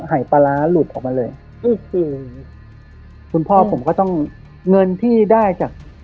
หายปลาร้าหลุดออกมาเลยก็คือคุณพ่อผมก็ต้องเงินที่ได้จาก